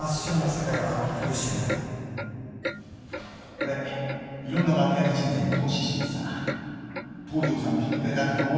俺いろんな訳あり人材に投資しててさ東城さんのひねくれ方とかもう。